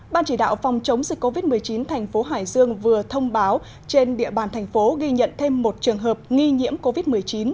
ban chỉ đạo phòng chống dịch covid một mươi chín thành phố hải dương vừa thông báo trên địa bàn thành phố ghi nhận thêm một trường hợp nghi nhiễm covid một mươi chín